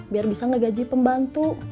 biar bisa ngegaji pembantu